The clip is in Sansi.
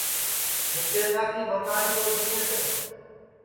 مُکیشا کی بھتاٹؔی دؔو جینٚیس ہے